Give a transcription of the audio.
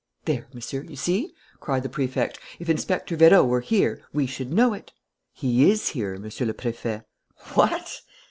"There, Monsieur, you see!" cried the Prefect. "If Inspector Vérot were here, we should know it." "He is here, Monsieur le Préfet." "What!"